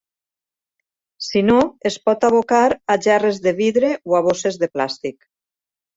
Si no, es pot abocar a gerres de vidre o a bosses de plàstic.